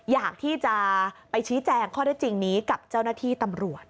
อยากที่จะไปชี้แจงข้อได้จริงนี้กับเจ้าหน้าที่ตำรวจ